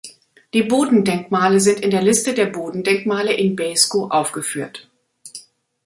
Die Bodendenkmale sind in der Liste der Bodendenkmale in Beeskow aufgeführt.